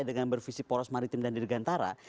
dengan bervisi poros maritime dan di negara antara